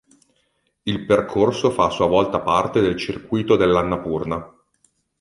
Il percorso fa a sua volta parte del "Circuito dell'Annapurna".